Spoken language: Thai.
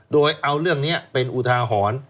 โดยเอาเรื่องนี้เป็นอุทาหรณ์